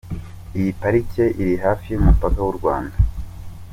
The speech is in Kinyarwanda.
Iyi Parike iri hafi y’umupaka w’u Rwanda.